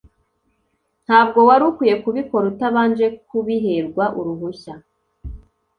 Ntabwo wari ukwiye kubikora utabanje kubiherwa uruhushya